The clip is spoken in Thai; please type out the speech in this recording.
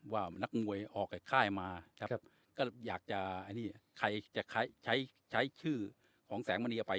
ว่ามนุนไวออกไอ้ค่ายมาครับก็อยากจะอันนี้ใครจะใช้ชื่อของแสงมนีก็ไป